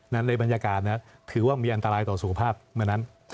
ในบรรยากาศนั้นถือว่ามีอันตรายต่อสุขภาพเมื่อนั้น